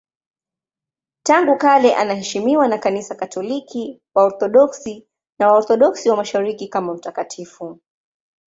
Tangu kale anaheshimiwa na Kanisa Katoliki, Waorthodoksi na Waorthodoksi wa Mashariki kama mtakatifu.